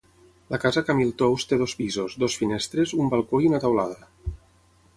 La casa Camil Tous té dos pisos, dues finestres, un balcó i una teulada.